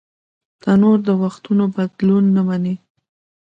تنور د وختونو بدلون نهمني